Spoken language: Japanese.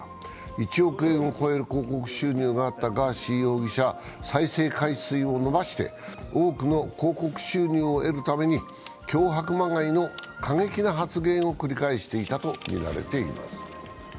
１億円を超える広告収入があったガーシー容疑者、再生回数を伸ばして、多くの広告収入を得るために脅迫まがいの過激な発言を繰り返していたとみられています。